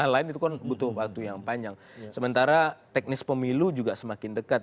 lain itu kan butuh waktu yang panjang sementara teknis pemilu juga semakin dekat